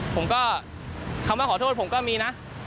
ผมก็คำว่าขอโทษผมก็มีนะ